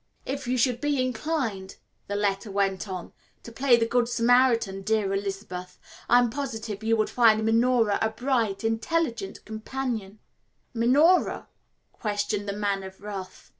"If you should be inclined," the letter went on, "to play the good Samaritan, dear Elizabeth, I am positive you would find Minora a bright, intelligent companion " "Minora?" questioned the Man of Wrath.